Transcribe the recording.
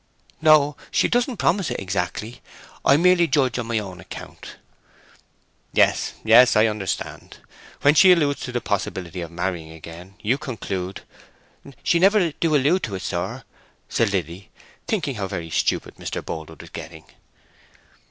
"No—she doesn't promise it exactly. I merely judge on my own account." "Yes, yes, I understand. When she alludes to the possibility of marrying again, you conclude—" "She never do allude to it, sir," said Liddy, thinking how very stupid Mr. Boldwood was getting.